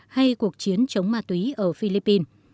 hay cuộc chiến chống ma túy ở philippines